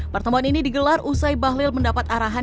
pertemuan ini digelar usai bahlil mendapat arahan